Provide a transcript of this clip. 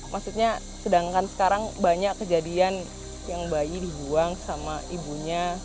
maksudnya sedangkan sekarang banyak kejadian yang bayi dibuang sama ibunya